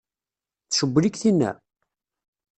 Tcewwel-ik tinna?